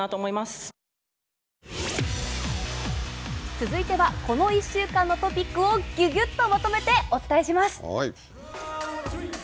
続いては、この１週間のトピックをぎゅぎゅっとまとめてお伝えします。